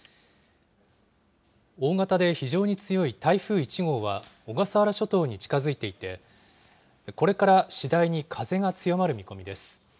大型で非常に強い台風１号は、小笠原諸島に近づいていて、これから次第に風が強まる見込みです。